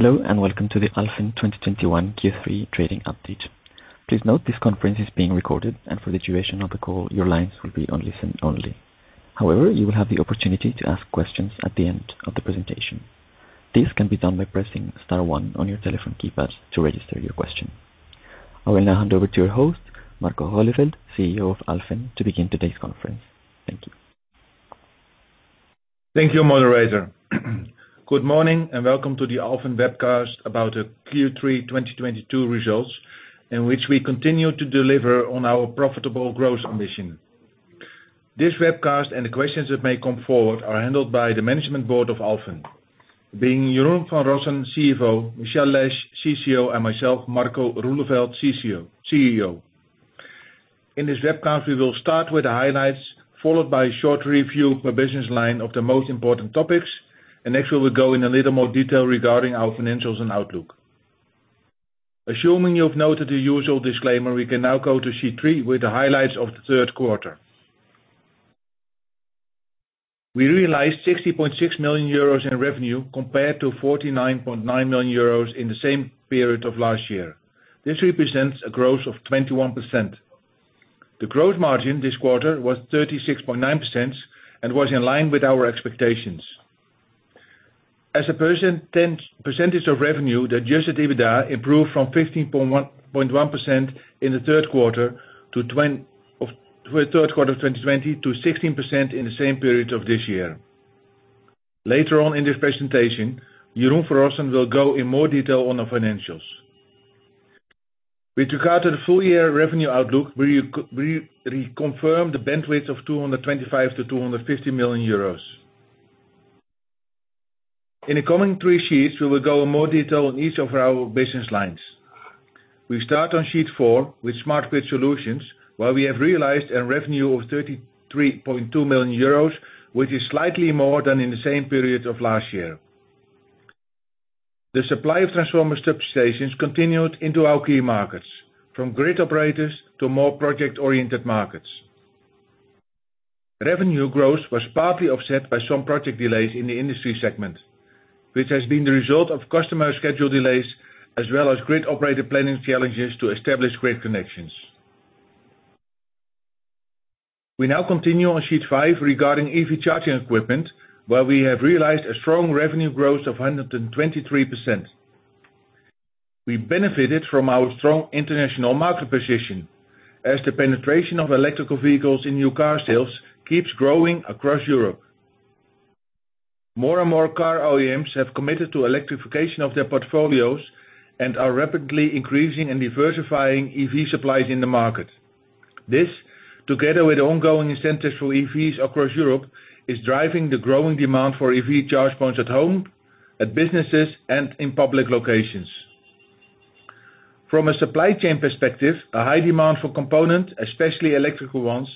Hello, and welcome to the Alfen 2021 Q3 trading update. Please note this conference is being recorded and for the duration of the call, your lines will be on listen-only. However, you will have the opportunity to ask questions at the end of the presentation. This can be done by pressing star one on your telephone keypad to register your question. I will now hand over to your host, Marco Roeleveld, CEO of Alfen, to begin today's conference. Thank you. Thank you, moderator. Good morning, and welcome to the Alfen webcast about the Q3 2022 results, in which we continue to deliver on our profitable growth ambition. This webcast, and the questions that may come forward, are handled by the management board of Alfen, being Jeroen van Rossen, CFO, Michelle Lesh, CCO, and myself, Marco Roeleveld, CEO. In this webcast, we will start with the highlights, followed by a short review per business line of the most important topics, and next we will go in a little more detail regarding our financials and outlook. Assuming you have noted the usual disclaimer, we can now go to sheet three with the highlights of the third quarter. We realized 60.6 million euros in revenue compared to 49.9 million euros in the same period of last year. This represents a growth of 21%. The growth margin this quarter was 36.9% and was in line with our expectations. As a percentage of revenue, the Adjusted EBITDA improved from 15.1% in the third quarter of 2020 to 16% in the same period of this year. Later on in this presentation, Jeroen van Rossen will go in more detail on the financials. With regard to the full year revenue outlook, we reconfirm the bandwidth of 225 million-250 million euros. In the coming three slides, we will go in more detail on each of our business lines. We start on sheet four with Smart Grid Solutions, where we have realized a revenue of 33.2 million euros, which is slightly more than in the same period of last year. The supply of transformer substations continued into our key markets, from grid operators to more project-oriented markets. Revenue growth was partly offset by some project delays in the industry segment, which has been the result of customer schedule delays, as well as grid operator planning challenges to establish grid connections. We now continue on sheet five regarding EV Charging Equipment, where we have realized a strong revenue growth of 123%. We benefited from our strong international market position as the penetration of electric vehicles in new car sales keeps growing across Europe. More and more car OEMs have committed to electrification of their portfolios and are rapidly increasing and diversifying EV supplies in the market. This, together with ongoing incentives for EVs across Europe, is driving the growing demand for EV charge points at home, at businesses, and in public locations. From a supply chain perspective, a high demand for components, especially electrical ones,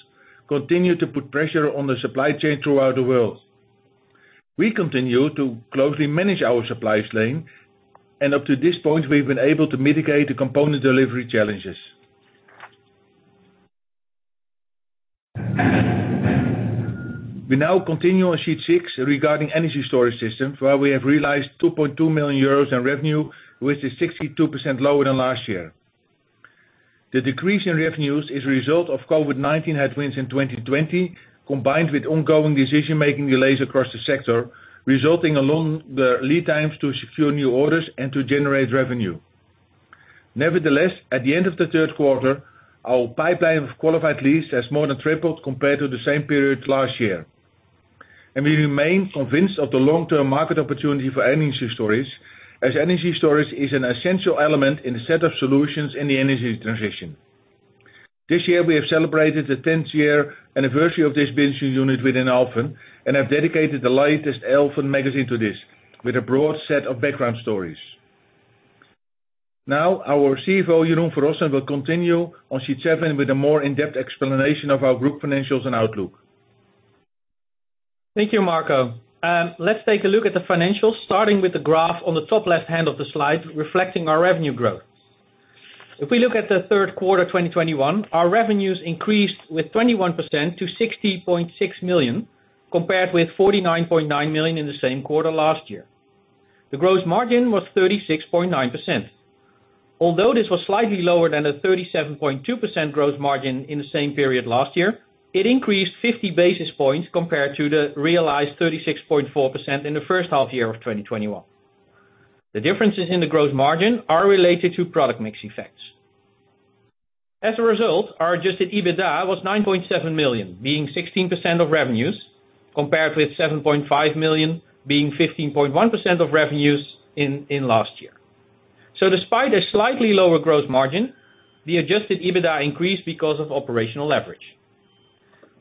continues to put pressure on the supply chain throughout the world. We continue to closely manage our supply chain, and up to this point, we've been able to mitigate the component delivery challenges. We now continue on sheet six regarding Energy Storage Systems, where we have realized 2.2 million euros in revenue, which is 62% lower than last year. The decrease in revenues is a result of COVID-19 headwinds in 2020, combined with ongoing decision-making delays across the sector, resulting in longer lead times to secure new orders and to generate revenue. Nevertheless, at the end of the third quarter, our pipeline of qualified leads has more than tripled compared to the same period last year. We remain convinced of the long-term market opportunity for energy storage, as energy storage is an essential element in a set of solutions in the energy transition. This year, we have celebrated the tenth year anniversary of this business unit within Alfen and have dedicated the latest Alfen magazine to this with a broad set of background stories. Now, our CFO, Jeroen van Rossen, will continue on sheet seven with a more in-depth explanation of our group financials and outlook. Thank you, Marco. Let's take a look at the financials, starting with the graph on the top left-hand of the slide reflecting our revenue growth. If we look at the third quarter 2021, our revenues increased with 21% to 60.6 million, compared with 49.9 million in the same quarter last year. The gross margin was 36.9%. Although this was slightly lower than a 37.2% gross margin in the same period last year, it increased 50 basis points compared to the realized 36.4% in the first half year of 2021. The differences in the gross margin are related to product mix effects. As a result, our Adjusted EBITDA was 9.7 million, being 16% of revenues, compared with 7.5 million, being 15.1% of revenues in last year. Despite a slightly lower growth margin, the Adjusted EBITDA increased because of operational leverage.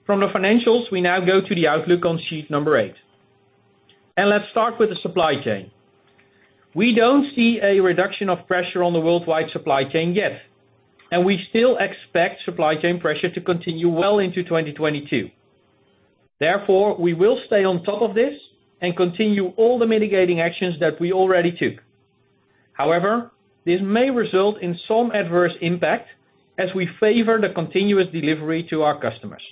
From the financials, we now go to the outlook on sheet number eight. Let's start with the supply chain. We don't see a reduction of pressure on the worldwide supply chain yet, and we still expect supply chain pressure to continue well into 2022. Therefore, we will stay on top of this and continue all the mitigating actions that we already took. However, this may result in some adverse impact as we favor the continuous delivery to our customers.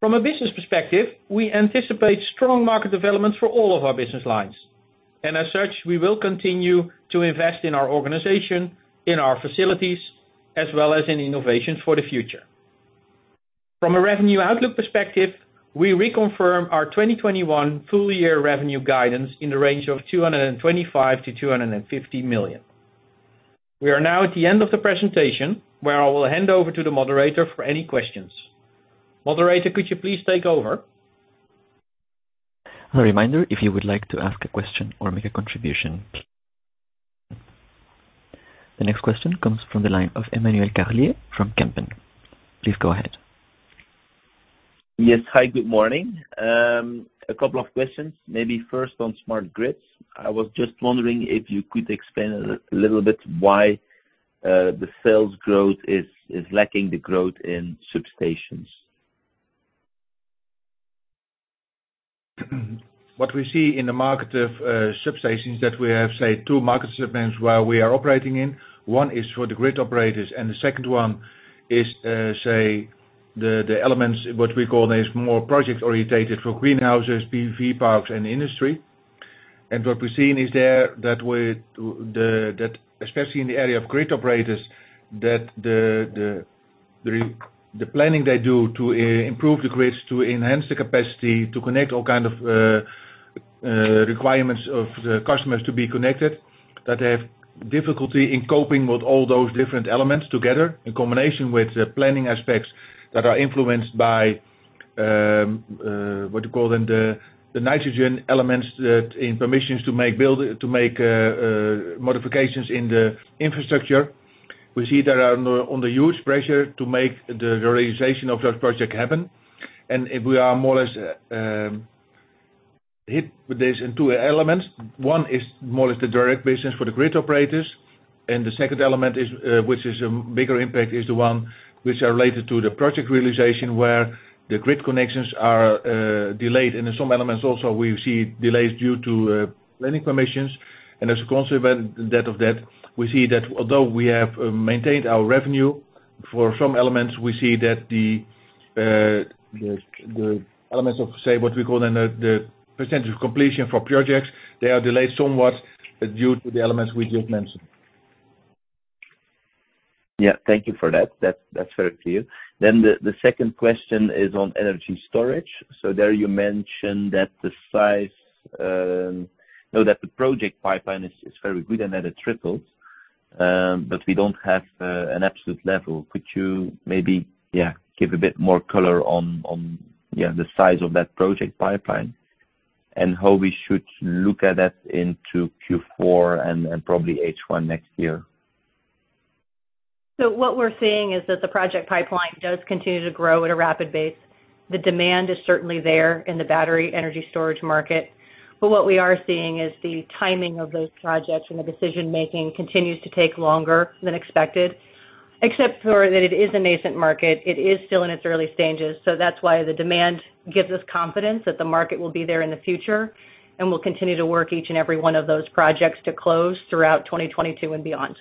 From a business perspective, we anticipate strong market development for all of our business lines. As such, we will continue to invest in our organization, in our facilities, as well as in innovation for the future. From a revenue outlook perspective, we reconfirm our 2021 full year revenue guidance in the range of 225 million-250 million. We are now at the end of the presentation, where I will hand over to the moderator for any questions. Moderator, could you please take over? A reminder, if you would like to ask a question or make a contribution. The next question comes from the line of Emmanuel Carlier from Kempen. Please go ahead. Yes. Hi, good morning. A couple of questions, maybe first on smart grids. I was just wondering if you could explain a little bit why the sales growth is lacking the growth in substations. What we see in the market of substations that we have, say, two market segments where we are operating in. One is for the grid operators, and the second one is, say, the elements, what we call, is more project-oriented for greenhouses, PV parks and industry. What we're seeing is that, especially in the area of grid operators, that the planning they do to improve the grids, to enhance the capacity, to connect all kind of requirements of the customers to be connected, that they have difficulty in coping with all those different elements together. In combination with the planning aspects that are influenced by what do you call them, the nitrogen elements that in permissions to make modifications in the infrastructure. We see they are under huge pressure to make the realization of that project happen. If we are more or less hit with this in two elements. One is more or less the direct business for the grid operators, and the second element, which is a bigger impact, is the one which are related to the project realization, where the grid connections are delayed. In some elements also, we see delays due to planning permissions. As a consequence of that, we see that although we have maintained our revenue, for some elements, we see that the elements of, say, what we call the percentage of completion for projects, they are delayed somewhat due to the elements we just mentioned. Yeah. Thank you for that. That's very clear. The second question is on energy storage. There you mentioned that the project pipeline is very good and that it triples, but we don't have an absolute level. Could you maybe give a bit more color on the size of that project pipeline? and how we should look at that into Q4 and probably H1 next year. What we're seeing is that the project pipeline does continue to grow at a rapid pace. The demand is certainly there in the battery energy storage market. What we are seeing is the timing of those projects and the decision-making continues to take longer than expected. Except for that, it is a nascent market, it is still in its early stages. That's why the demand gives us confidence that the market will be there in the future, and we'll continue to work each and every one of those projects to close throughout 2022 and beyond.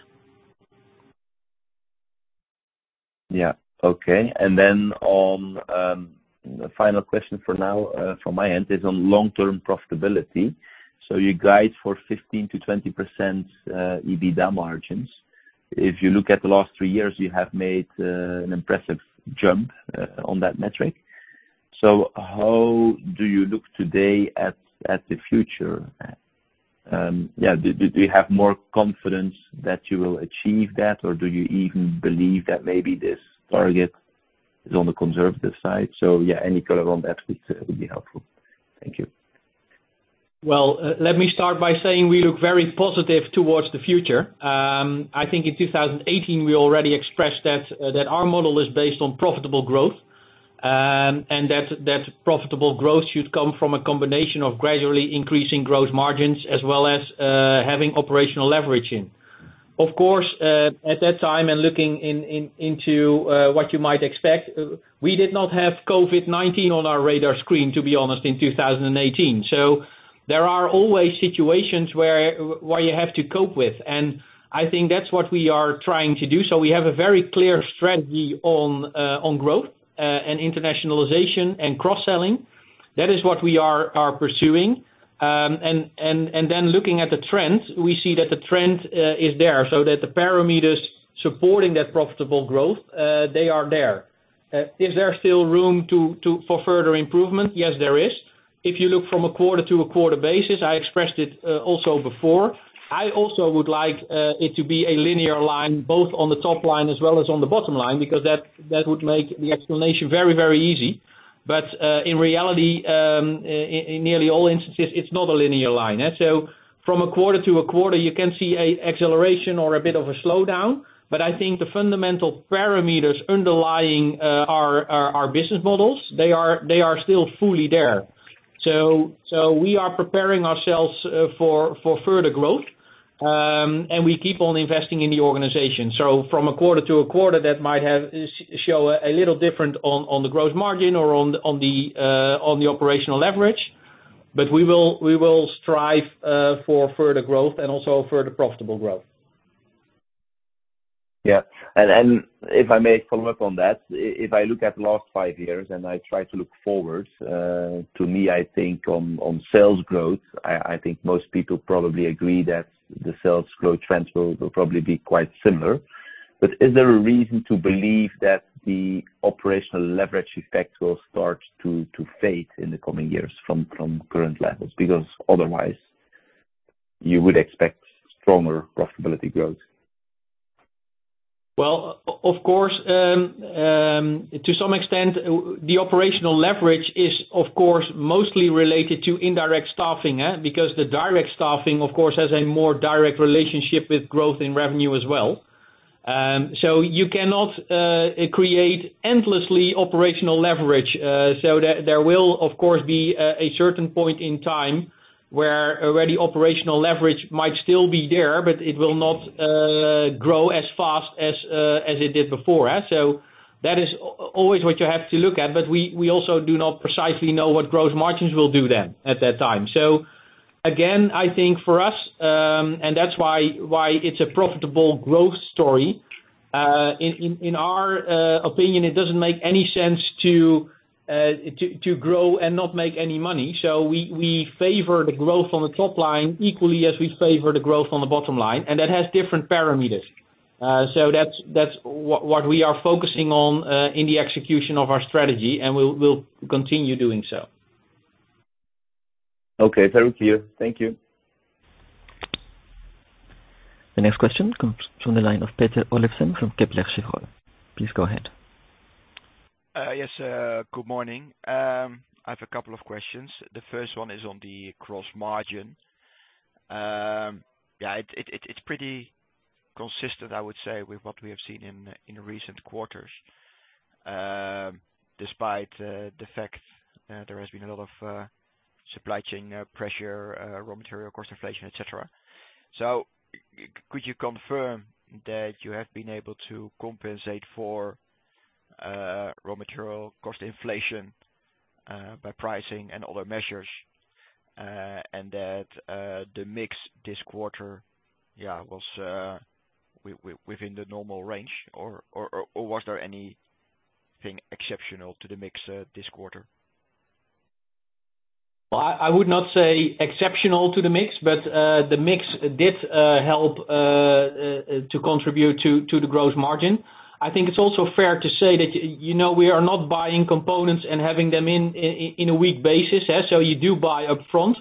Yeah. Okay. On the final question for now from my end is on long-term profitability. You guide for 15%-20% EBITDA margins. If you look at the last three years, you have made an impressive jump on that metric. How do you look today at the future? Yeah, do you have more confidence that you will achieve that? Or do you even believe that maybe this target is on the conservative side? Yeah, any color on that bit would be helpful. Thank you. Well, let me start by saying we look very positive towards the future. I think in 2018, we already expressed that our model is based on profitable growth, and that profitable growth should come from a combination of gradually increasing growth margins as well as having operational leverage in. Of course, at that time and looking into what you might expect, we did not have COVID-19 on our radar screen, to be honest, in 2018. There are always situations where you have to cope with, and I think that's what we are trying to do. We have a very clear strategy on growth, and internationalization and cross-selling. That is what we are pursuing. Then, looking at the trends, we see that the trend is there, so that the parameters supporting that profitable growth, they are there. Is there still room for further improvement? Yes, there is. If you look from a quarter to quarter basis, I expressed it also before, I also would like it to be a linear line, both on the top line as well as on the bottom line, because that would make the explanation very easy. In reality, in nearly all instances, it's not a linear line. From a quarter to quarter, you can see an acceleration or a bit of a slowdown. But I think the fundamental parameters underlying our business models, they are still fully there. We are preparing ourselves for further growth and we keep on investing in the organization. From a quarter to a quarter, that might show a little different on the growth margin or on the operational leverage. But we will strive for further growth and also further profitable growth. Yeah. If I may follow up on that, if I look at last five years and I try to look forward, to me, I think on sales growth, I think most people probably agree that the sales growth trends will probably be quite similar. Is there a reason to believe that the operational leverage effect will start to fade in the coming years from current levels? Because otherwise you would expect stronger profitability growth. Well, of course, to some extent, the operational leverage is of course, mostly related to indirect staffing. Because the direct staffing, of course, has a more direct relationship with growth in revenue as well. You cannot create endlessly operational leverage. There will of course be a certain point in time where already operational leverage might still be there, but it will not grow as fast as it did before. That is always what you have to look at. We also do not precisely know what growth margins will do then at that time. Again, I think for us, and that's why it's a profitable growth story. In our opinion, it doesn't make any sense to grow and not make any money. We favor the growth on the top line equally as we favor the growth on the bottom line, and that has different parameters. That's what we are focusing on in the execution of our strategy, and we'll continue doing so. Okay. Very clear. Thank you. The next question comes from the line of Peter Olofsen from Kepler Cheuvreux. Please go ahead. Good morning. I have a couple of questions. The first one is on the gross margin. It's pretty consistent, I would say, with what we have seen in recent quarters, despite the fact there has been a lot of supply chain pressure, raw material cost inflation, et cetera. Could you confirm that you have been able to compensate for raw material cost inflation by pricing and other measures, and that the mix this quarter was within the normal range? Or was there anything exceptional to the mix this quarter? Well, I would not say exceptional to the mix, but the mix did help to contribute to the gross margin. I think it's also fair to say that, you know, we are not buying components and having them on a weekly basis, so you do buy up front.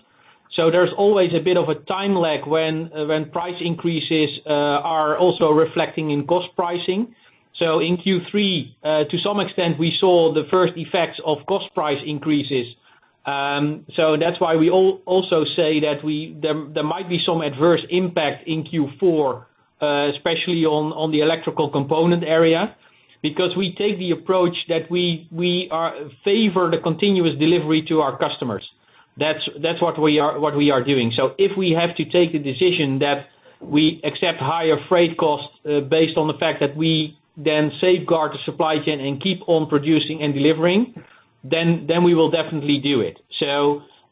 There's always a bit of a time lag when price increases are also reflecting in cost pricing. In Q3, to some extent, we saw the first effects of cost price increases. That's why we also say that there might be some adverse impact in Q4, especially on the electrical component area, because we take the approach that we favor the continuous delivery to our customers. That's what we are doing. If we have to take a decision that we accept higher freight costs, based on the fact that we then safeguard the supply chain and keep on producing and delivering, then we will definitely do it.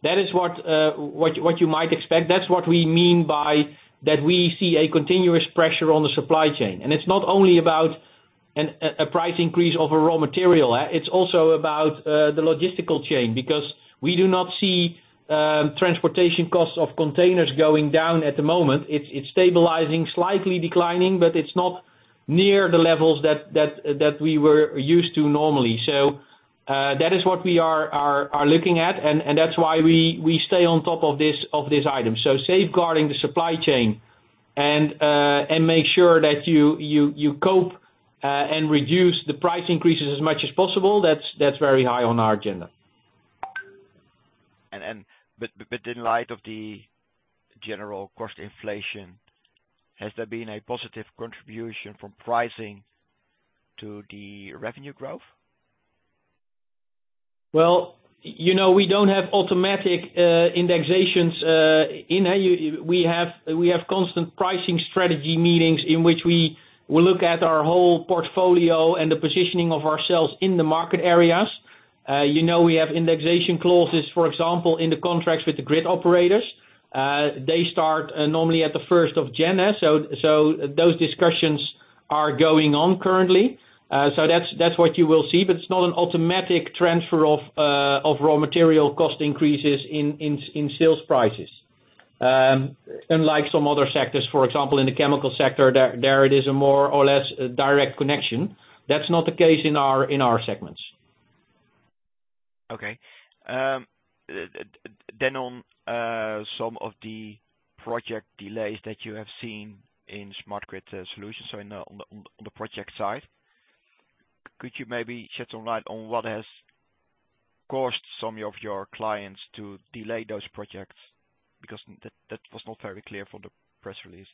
That is what you might expect. That's what we mean by that we see a continuous pressure on the supply chain. It's not only about a price increase of a raw material. It's also about the logistical chain, because we do not see transportation costs of containers going down at the moment. It's stabilizing, slightly declining, but it's not near the levels that we were used to normally. That is what we are looking at, and that's why we stay on top of this item. Safeguarding the supply chain and make sure that you cope and reduce the price increases as much as possible, that's very high on our agenda. In light of the general cost inflation, has there been a positive contribution from pricing to the revenue growth? Well, you know, we don't have automatic indexations. We have constant pricing strategy meetings in which we look at our whole portfolio and the positioning of ourselves in the market areas. You know, we have indexation clauses, for example, in the contracts with the grid operators. They start normally at the first of January. Those discussions are going on currently. That's what you will see, but it's not an automatic transfer of raw material cost increases in sales prices. Unlike some other sectors, for example, in the chemical sector, there it is a more or less direct connection. That's not the case in our segments. Okay. Then on some of the project delays that you have seen in Smart Grid Solutions, so on the project side, could you maybe shed some light on what has caused some of your clients to delay those projects? Because that was not very clear for the press release.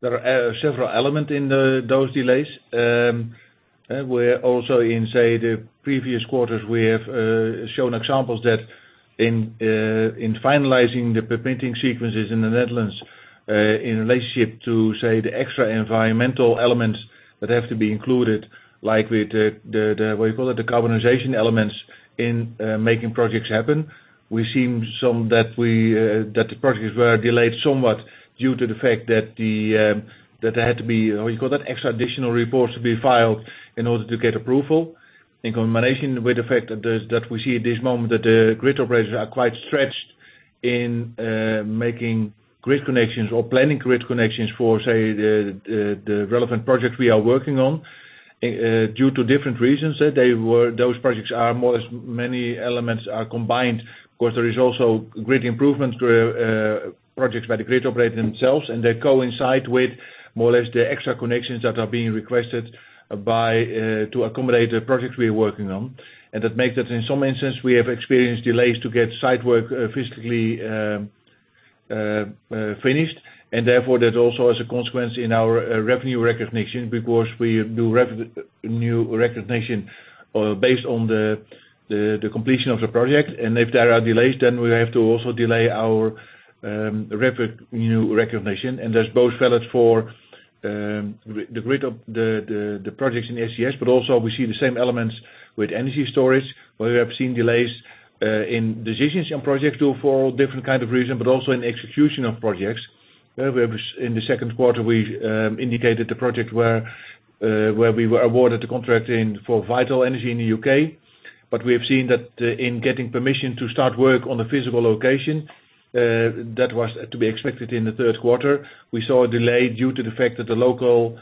There are several elements in those delays. We're also, in, say, the previous quarters, we have shown examples that in finalizing the permitting sequences in the Netherlands, in relationship to, say, the extra environmental elements that have to be included, like with the, what you call it, the carbonization elements. In making projects happen, we've seen some that the projects were delayed somewhat due to the fact that there had to be what you call that extra additional reports to be filed in order to get approval. In combination with the fact that we see at this moment that the grid operators are quite stretched in making grid connections or planning grid connections for, say, the relevant projects we are working on due to different reasons. Those projects are more or less many elements are combined. Of course, there is also grid improvements where projects by the grid operators themselves, and they coincide with more or less the extra connections that are being requested to accommodate the projects we are working on. That makes it in some instances, we have experienced delays to get site work physically finished. Therefore, that also has a consequence in our revenue recognition because we do revenue recognition based on the completion of the project. If there are delays, then we have to also delay our revenue recognition. That's both valid for the grid of the projects in SGS, but also we see the same elements with energy storage, where we have seen delays in decisions on projects due to different kind of reason, but also in execution of projects. In the second quarter, we indicated the project where we were awarded the contract for Vital Energi in the U.K. We have seen that in getting permission to start work on a physical location that was to be expected in the third quarter. We saw a delay due to the fact that the local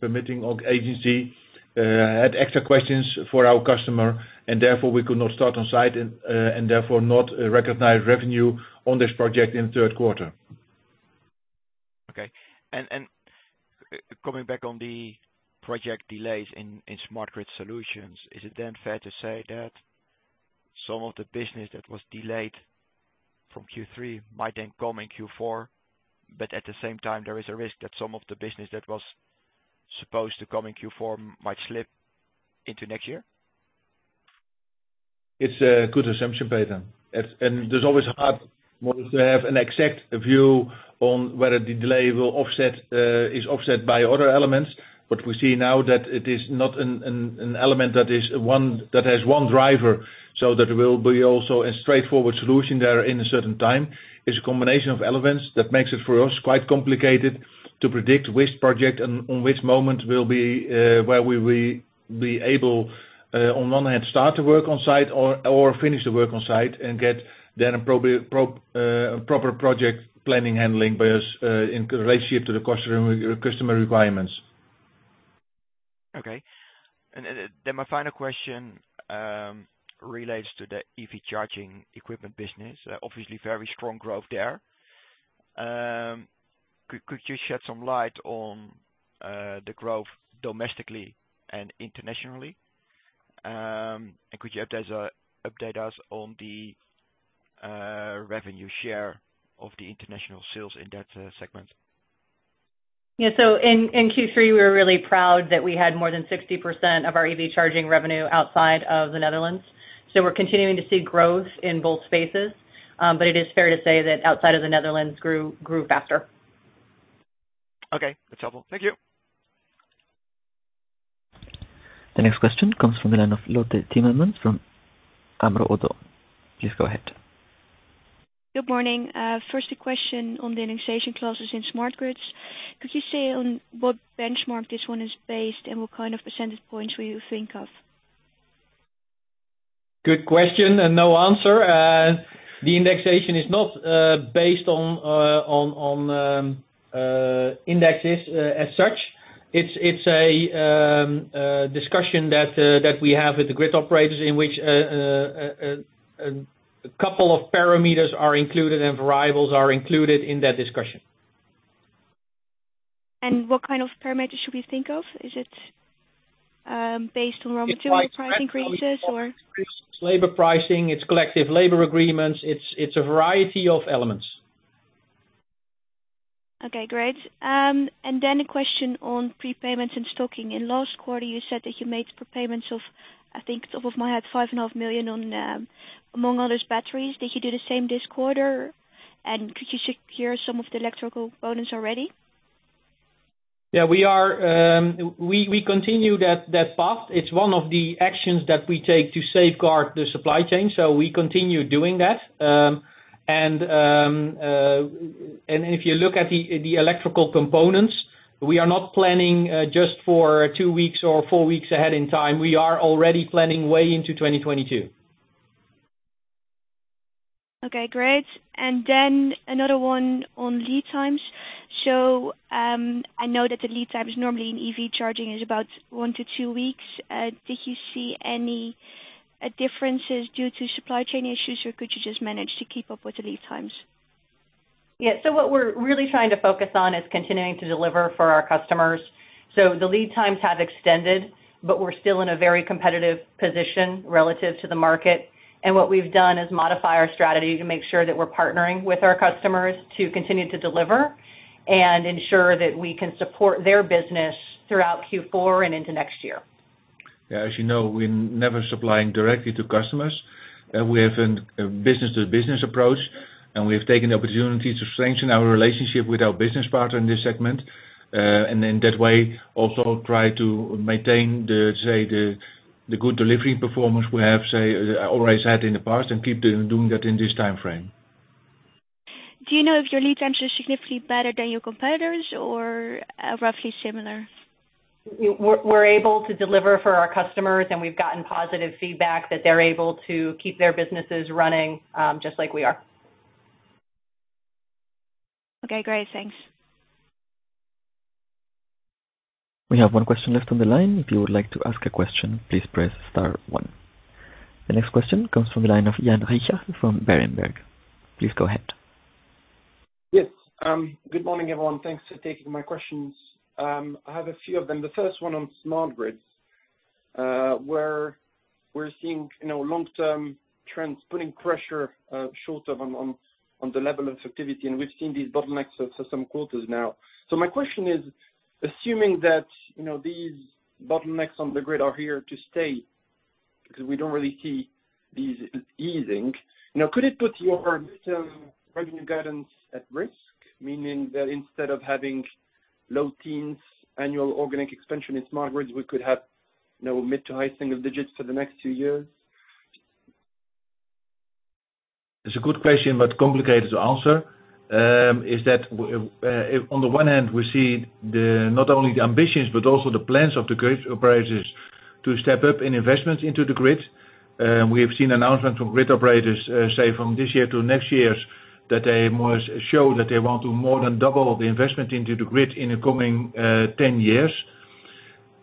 permitting agency had extra questions for our customer, and therefore we could not start on site and therefore not recognize revenue on this project in the third quarter. Okay. Coming back on the project delays in Smart Grid Solutions, is it then fair to say that some of the business that was delayed from Q3 might then come in Q4, but at the same time, there is a risk that some of the business that was supposed to come in Q4 might slip into next year? It's a good assumption, Peter. There's always hard models to have an exact view on whether the delay will offset, is offset by other elements, but we see now that it is not an element that has one driver, so that will be also a straightforward solution there in a certain time. It's a combination of elements that makes it, for us, quite complicated to predict which project and on which moment will be, where we will be able, on one hand, start to work on site or finish the work on site and get then a proper project planning handling by us, in relationship to the customer requirements. Okay. Then my final question relates to the EV Charging Equipment business. Obviously very strong growth there. Could you shed some light on the growth domestically and internationally? Could you update us on the revenue share of the international sales in that segment? Yeah. In Q3, we were really proud that we had more than 60% of our EV charging revenue outside of the Netherlands. We're continuing to see growth in both spaces. But it is fair to say that outside of the Netherlands grew faster. Okay. That's helpful. Thank you. The next question comes from the line of Lotte Timmermans from ABN AMRO. Please go ahead. Good morning. First a question on the indexation classes in smart grids. Could you say on what benchmark this one is based and what kind of percentage points will you think of? Good question and no answer. The indexation is not based on indexes as such. It's a discussion that we have with the grid operators in which a couple of parameters are included and variables are included in that discussion. What kind of parameters should we think of? Is it based on raw material pricing increases or- It's price trend, obviously. It's labor pricing, it's collective labor agreements. It's a variety of elements. Okay, great. Then, a question on prepayments and stocking. In last quarter, you said that you made prepayments of, I think, off the top of my head, 5.5 million among other batteries. Did you do the same this quarter? And could you secure some of the electrical components already? Yeah. We continue that path. It's one of the actions that we take to safeguard the supply chain. We continue doing that. If you look at the electrical components, we are not planning just for two weeks or four weeks ahead in time. We are already planning way into 2022. Okay, great. Another one on lead times. I know that the lead times normally in EV charging is about one to two weeks. Did you see any differences due to supply chain issues, or could you just manage to keep up with the lead times? Yeah. What we're really trying to focus on is continuing to deliver for our customers. The lead times have extended, but we're still in a very competitive position relative to the market. What we've done is modify our strategy to make sure that we're partnering with our customers to continue to deliver and ensure that we can support their business throughout Q4 and into next year. Yeah. As you know, we're never supplying directly to customers. We have a business-to-business approach. We have taken the opportunity to strengthen our relationship with our business partner in this segment, and in that way also try to maintain the good delivery performance we have always had in the past and keep doing that in this time frame. Do you know if your lead times are significantly better than your competitors or roughly similar? We're able to deliver for our customers, and we've gotten positive feedback that they're able to keep their businesses running, just like we are. Okay, great. Thanks. We have one question left on the line. If you would like to ask a question, please press star one. The next question comes from the line of Jan Richard from Berenberg. Please go ahead. Yes. Good morning, everyone. Thanks for taking my questions. I have a few of them. The first one on smart grids, where we're seeing, you know, long-term trends putting pressure, short-term on the level of activity, and we've seen these bottlenecks for some quarters now. My question is assuming that, you know, these bottlenecks on the grid are here to stay because we don't really see these easing. You know, could it put your revenue guidance at risk? Meaning that instead of having low teens annual organic expansion in smart grids, we could have, you know, mid to high single digits for the next two years. It's a good question, but complicated to answer. On the one hand, we see not only the ambitions but also the plans of the grid operators to step up in investments into the grid. We have seen announcements from grid operators, say, from this year to next year that they must show that they want to more than double the investment into the grid in the coming ten years.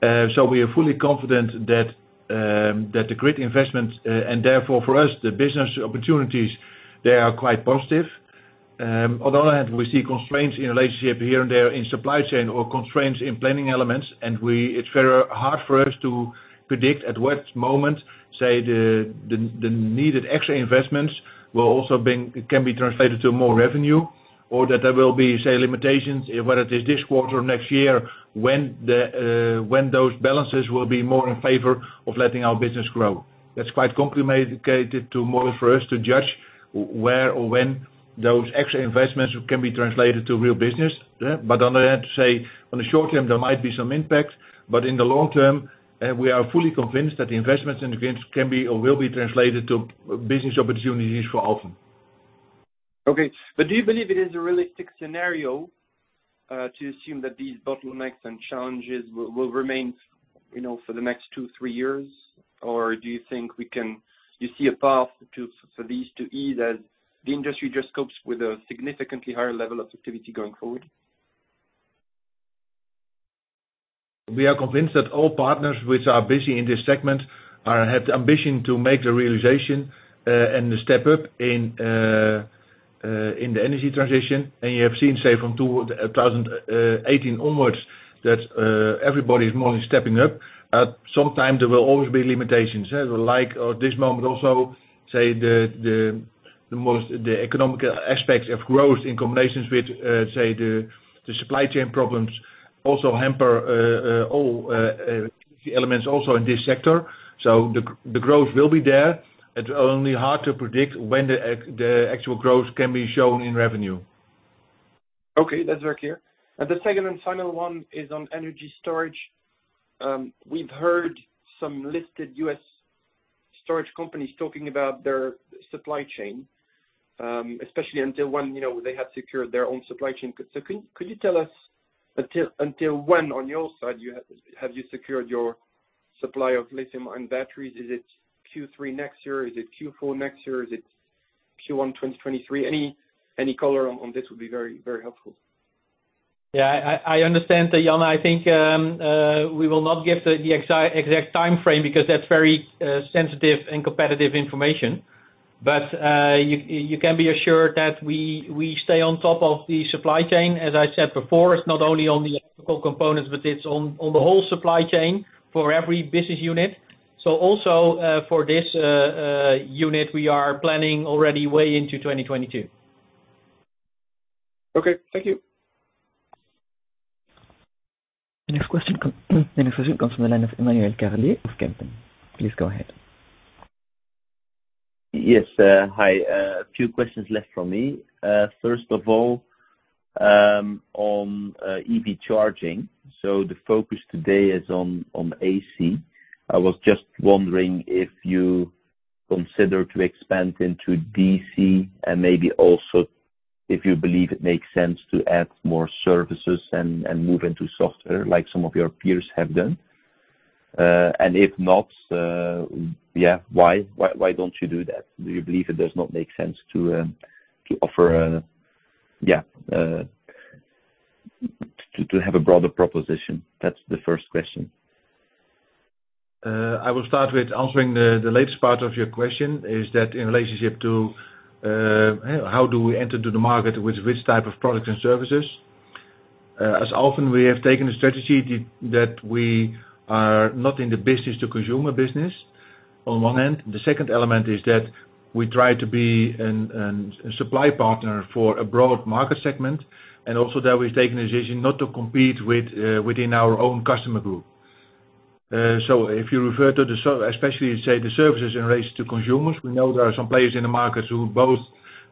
We are fully confident that the grid investments and therefore for us the business opportunities there are quite positive. On the other hand, we see constraints in relationship here and there in supply chain or constraints in planning elements, and it's very hard for us to predict at what moment, say, the needed extra investments can be translated to more revenue. Or that there will be, say, limitations, whether it is this quarter or next year, when those balances will be more in favor of letting our business grow. That's quite complicated model for us to judge where or when those extra investments can be translated to real business. On the other hand, say, on the short term there might be some impact, but in the long term, we are fully convinced that the investments in the grid can be or will be translated to business opportunities for Alfen. Okay. Do you believe it is a realistic scenario to assume that these bottlenecks and challenges will remain, you know, for the next two, three years? Or do you think you see a path for these to ease as the industry just copes with a significantly higher level of activity going forward? We are convinced that all partners which are busy in this segment have the ambition to make the realization, and the step up in the energy transition. You have seen, say, from 2018 onwards, that everybody is more than stepping up. At some time there will always be limitations, like this moment also, say, the economic aspects of growth in combinations with, say, the supply chain problems also hamper, all elements also in this sector. The growth will be there. It's only hard to predict when the actual growth can be shown in revenue. Okay. That's very clear. The second and final one is on energy storage. We've heard some listed U.S. storage companies talking about their supply chain, especially until when, you know, they have secured their own supply chain. Could you tell us until when on your side have you secured your supply of lithium-ion batteries? Is it Q3 next year? Is it Q4 next year? Is it Q1 2023? Any color on this would be very helpful. Yeah, I understand that, Jan. I think we will not give the exact timeframe because that's very sensitive and competitive information. You can be assured that we stay on top of the supply chain. As I said before, it's not only on the electrical components, but it's on the whole supply chain for every business unit. Also, for this unit, we are planning already way into 2022. Okay, thank you. The next question comes from the line of Emmanuel Carlier of Kempen. Please go ahead. Yes. Hi. A few questions left from me. First of all, on EV charging. The focus today is on AC. I was just wondering if you consider to expand into DC and maybe also if you believe it makes sense to add more services and move into software like some of your peers have done. If not, why don't you do that? Do you believe it does not make sense to offer, to have a broader proposition? That's the first question. I will start with answering the latest part of your question, is that in relationship to how do we enter to the market, with which type of products and services. As often we have taken a strategy that we are not in the business to consumer business on one hand. The second element is that we try to be a supply partner for a broad market segment, and also that we've taken a decision not to compete within our own customer group. If you refer to the especially, say, the services in relation to consumers, we know there are some players in the market who both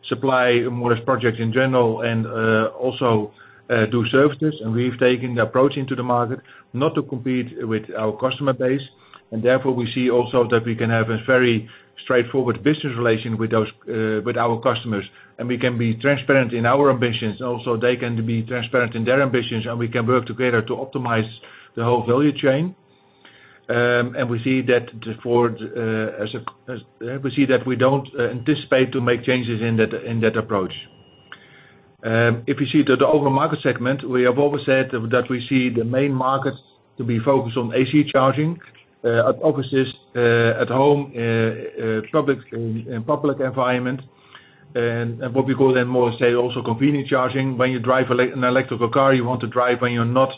supply more or less projects in general and also do services. We've taken the approach into the market not to compete with our customer base, and therefore we see also that we can have a very straightforward business relation with our customers. We can be transparent in our ambitions, and also they can be transparent in their ambitions, and we can work together to optimize the whole value chain. We see that we don't anticipate to make changes in that approach. If you see that the overall market segment, we have always said that we see the main market to be focused on AC charging at offices, at home, in public environment, and what we call then more, say, also convenient charging. When you drive an electric car, you want to charge when you're not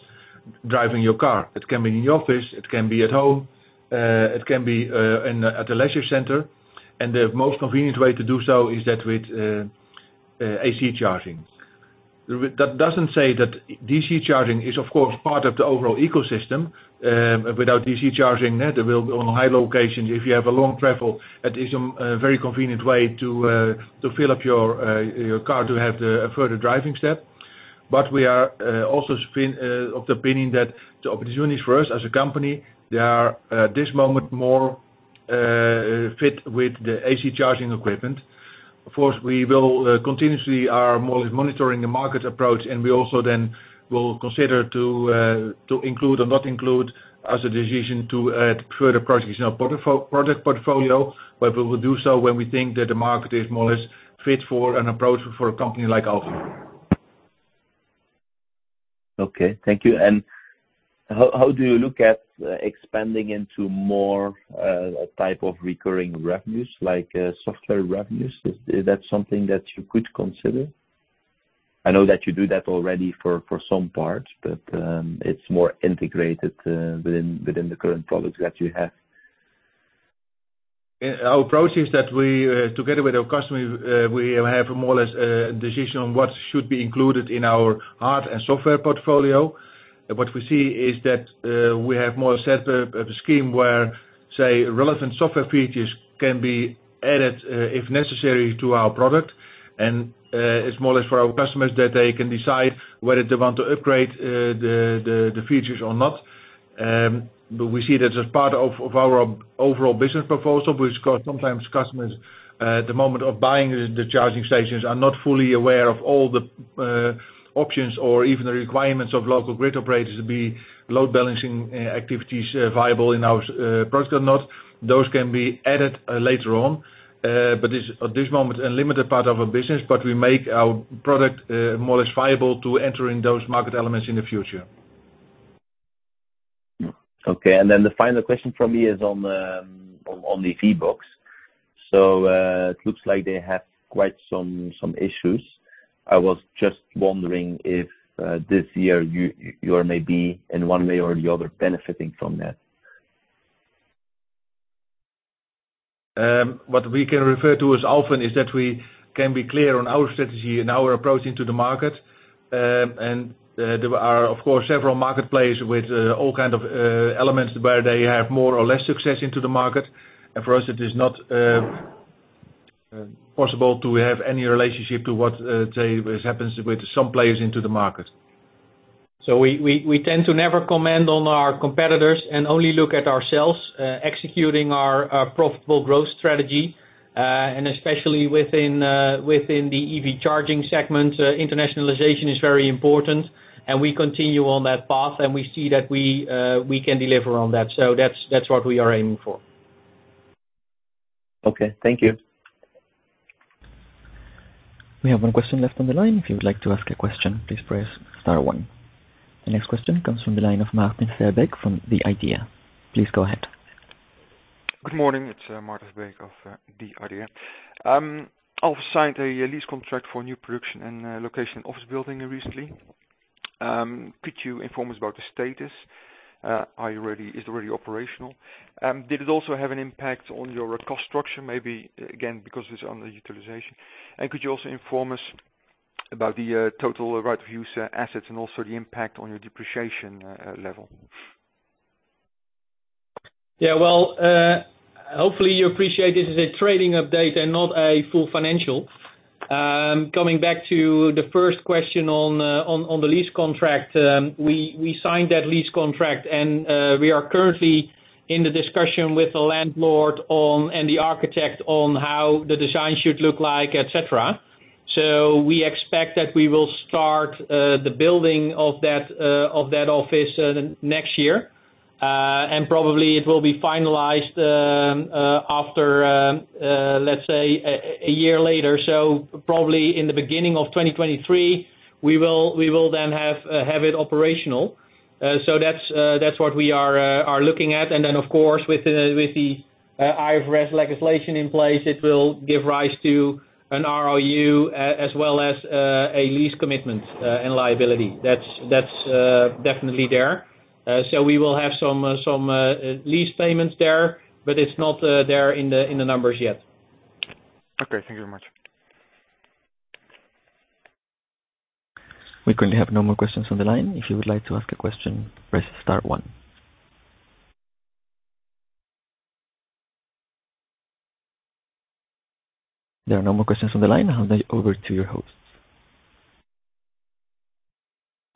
driving your car. It can be in the office, it can be at home, it can be at a leisure center. The most convenient way to do so is that with AC charging. That doesn't say that DC charging, is of course, part of the overall ecosystem. Without DC charging, that will be on high locations, if you have a long travel that is a very convenient way to fill up your car to have a further driving step, but we are also of the opinion that the opportunities for us as a company, they are at this moment more fit with the AC charging equipment. Of course, we will continuously are more or less monitoring the market approach, and we also then will consider to include or not include as a decision to add further projects in our product portfolio, but we will do so when we think that the market is more or less fit for an approach for a company like Alfen. Okay. Thank you. How do you look at expanding into more type of recurring revenues, like software revenues? Is that something that you could consider? I know that you do that already for some parts, but it's more integrated within the current products that you have. Our approach is that we, together with our customers, we have more or less a decision on what should be included in our hardware and software portfolio. What we see is that we have more or less set of a scheme where, say, relevant software features can be added, if necessary, to our product. It's more or less for our customers that they can decide whether they want to upgrade the features or not. We see that as part of our overall business proposal, which sometimes customers at the moment of buying the charging stations are not fully aware of all the options or even the requirements of local grid operators would be load balancing activities viable in our product or not. Those can be added later on. This is, at this moment, a limited part of our business, but we make our product more or less viable to enter in those market elements in the future. Okay. The final question from me is on the EVBox. It looks like they have quite some issues. I was just wondering if this year you are maybe in one way or the other benefiting from that. What we can refer to as Alfen is that we can be clear on our strategy and our approach into the market. There are of course several marketplaces with all kinds of elements where they have more or less success into the market. For us, it is not possible to have any relationship to, say, what happens with some players into the market. We tend to never comment on our competitors and only look at ourselves, executing our profitable growth strategy. Especially within the EV charging segment, internationalization is very important and we continue on that path, and we see that we can deliver on that. That's what we are aiming for. Okay. Thank you. We have one question left on the line. If you would like to ask a question, please press start one. The next question comes from the line of Maarten Verbeek from the IDEA!. Please go ahead. Good morning. It's Maarten Verbeek of the IDEA!. Alfen signed a lease contract for a new production and location office building recently. Could you inform us about the status? Is it already operational? Did it also have an impact on your cost structure? Maybe again, because it's underutilization. Could you also inform us about the total right of use assets and also the impact on your depreciation level? Yeah. Well, hopefully you appreciate this is a trading update and not a full financial. Coming back to the first question on the lease contract, we signed that lease contract and we are currently in the discussion with the landlord on, and the architect on how the design should look like, et cetera. We expect that we will start the building of that office next year. Probably it will be finalized, let's say a year later, probably in the beginning of 2023, we will then have it operational. That's what we are looking at. Of course, with the IFRS legislation in place, it will give rise to an ROU as well as a lease commitment and liability. That's definitely there. We will have some lease payments there, but it's not there in the numbers yet. Okay. Thank you very much. We currently have no more questions on the line. If you would like to ask a question, press star one. There are no more questions on the line. I'll now hand over to your host.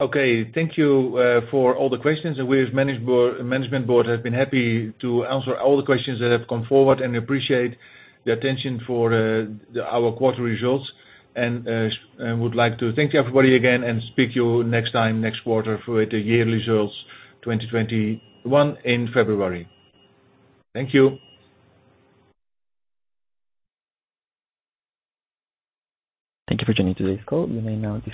Okay. Thank you for all the questions. We as Management Board have been happy to answer all the questions that have come forward and appreciate the attention for our quarter results, and would like to thank everybody again and speak to you next time, next quarter for the yearly results 2021 in February. Thank you. Thank you for joining today's call. You may now disconnect.